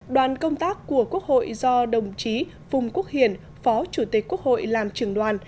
đoàn công tác của quốc hội do đồng chí phùng quốc hiển phó chủ tịch quốc hội làm trưởng đoàn